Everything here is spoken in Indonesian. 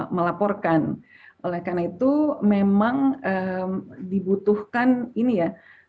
melaporkan oleh karena itu memang dibutuhkan ini ya